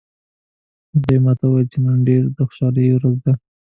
هغې ما ته وویل چې نن ډیره د خوشحالي ورځ ده